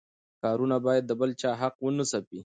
کارونه باید د بل چا حق ونه ځپي.